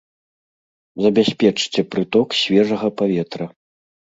Забяспечце прыток свежага паветра.